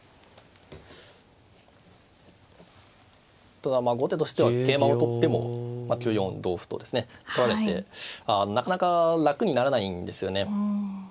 ただまあ後手としては桂馬を取っても９四同歩とですね取られてなかなか楽にならないんですよね。